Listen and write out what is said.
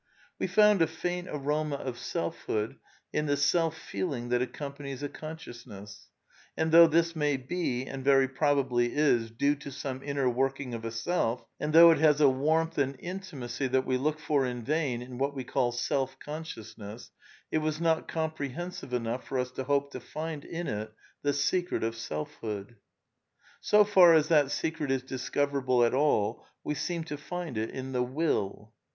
We found a faint aroma of selfhood in the self feeling that accompanies consciousness; and though this may be, and very probably is, due to some inner working of a self, and though it has a warmth and intimacy that we look for in vain in what we call " self consciousness," it was not comprehensive enough for us to hope to find in it the secret of selfhood. So far as that secret is discoverable at all, we seem to find it in the Will.